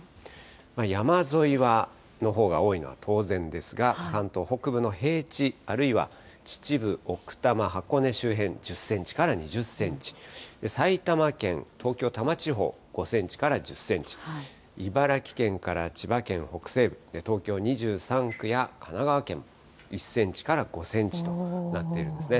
山沿いのほうが多いのは当然ですが、関東北部の平地、あるいは秩父、奥多摩、箱根周辺、１０センチから２０センチ、埼玉県、東京・多摩地方、５センチから１０センチ、茨城県から千葉県北西部、東京２３区や神奈川県、１センチから５センチとなっているんですね。